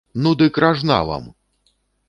Ну дык ражна вам!